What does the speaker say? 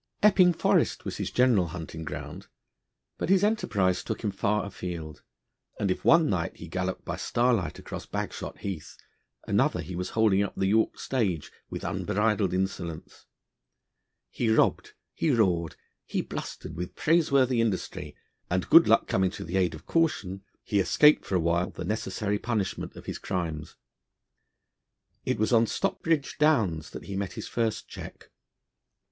Epping Forest was his general hunting ground, but his enterprise took him far afield, and if one night he galloped by starlight across Bagshot Heath, another he was holding up the York stage with unbridled insolence. He robbed, he roared, he blustered with praiseworthy industry; and good luck coming to the aid of caution, he escaped for a while the necessary punishment of his crimes. It was on Stockbridge Downs that he met his first check.